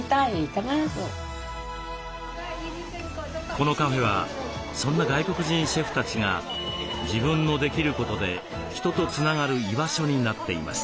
このカフェはそんな外国人シェフたちが自分のできることで人とつながる居場所になっています。